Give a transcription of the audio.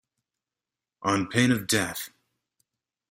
On pain of death.